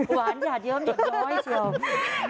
หวานหยาดเยอะหยุดน้อยเชียว